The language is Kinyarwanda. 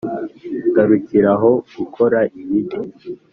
garukira ho gukora ibibi